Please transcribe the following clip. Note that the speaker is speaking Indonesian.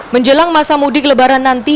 menjelang masa mudik lebaran nanti